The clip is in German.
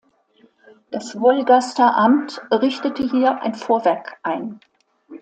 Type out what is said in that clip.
Das Wolgaster Amt richtete hier ein Vorwerk ein.